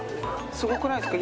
すごくないですか？